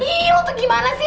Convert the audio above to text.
ih lo tau gimana sih